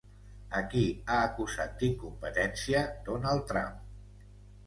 A qui ha acusat d'incompetència Donald Trump?